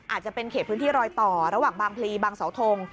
อาจจะเป็นเขตพื้นที่รอยต่อระหว่างบางพลีบางเสาทง